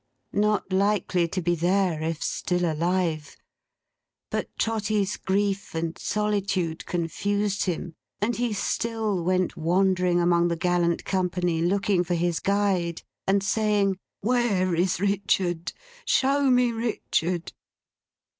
Not likely to be there, if still alive! But Trotty's grief and solitude confused him; and he still went wandering among the gallant company, looking for his guide, and saying, 'Where is Richard? Show me Richard!